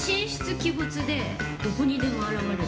鬼没でどこにでも現れる。